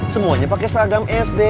semuanya pakai sagam sd